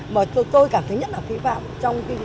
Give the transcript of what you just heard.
mà tôi cảm thấy rất là kỳ vọng